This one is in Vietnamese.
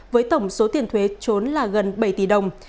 với tổng số tiền thuế trốn là gần bảy tỷ đồng